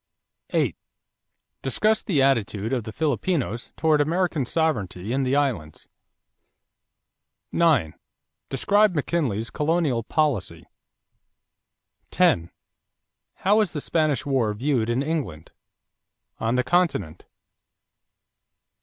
8. Discuss the attitude of the Filipinos toward American sovereignty in the islands. 9. Describe McKinley's colonial policy. 10. How was the Spanish War viewed in England? On the Continent?